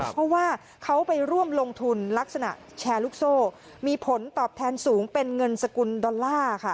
เพราะว่าเขาไปร่วมลงทุนลักษณะแชร์ลูกโซ่มีผลตอบแทนสูงเป็นเงินสกุลดอลลาร์ค่ะ